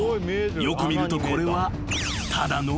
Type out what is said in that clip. よく見るとこれはただの］